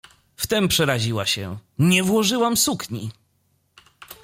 Wtem przeraziła się: „Nie włożyłam sukni.